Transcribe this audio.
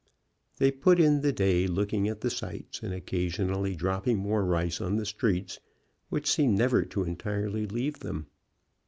They put in the day looking at the sights, and occasionally dropping more rice on the streets, which seemed never to entirely leave them.